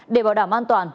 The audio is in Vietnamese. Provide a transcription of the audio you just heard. để bảo đảm an toàn